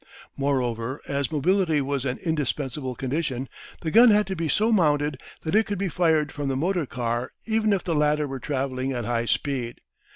Moreover, as mobility was an indispensable condition, the gun had to be so mounted that it could be fired from the motor car even if the latter were travelling at high speed.